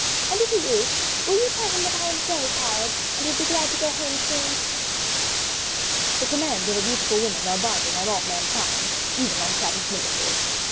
And if he is, will you tell him that I am very tired, and would be glad to go home soon." The commands of a beautiful woman are binding on all mankind, even on Cabinet Ministers.